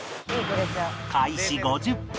開始５０分